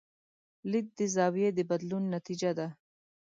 لید د زاویې د بدلون نتیجه ده.